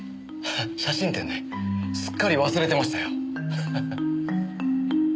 写真展ねすっかり忘れてましたよ。